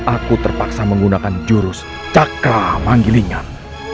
aku terpaksa menggunakan jurus cakra manggilingan